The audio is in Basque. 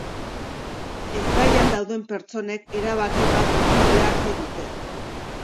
Ezbaian dauden pertsonek erabaki bat hartu beharko dute.